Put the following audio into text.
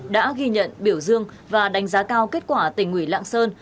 đã ghi nhận biểu dương và đánh giá cao kết quả tỉnh ủy lạng sơn